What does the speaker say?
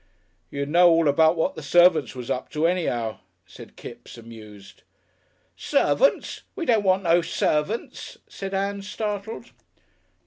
"You'd know all about what the servants was up to, anyhow," said Kipps, amused. "Servants! We don't want no servants," said Ann, startled.